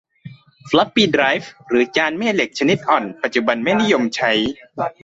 ฟล็อปปี้ไดรฟ์ หรือจานแม่เหล็กชนิดอ่อน ปัจจุบันไม่นิยมใช้